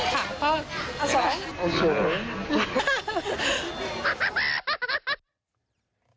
ค่ะเพราะ